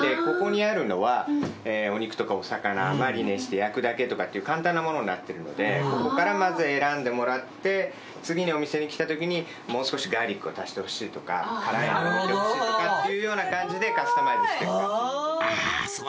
ここにあるのはお肉とかお魚マリネして焼くだけとか簡単なものになってるのでここからまず選んでもらって次にお店に来たときにもう少しガーリックを足してほしいとか辛いのを入れてほしいとかっていうような感じでカスタマイズしていく。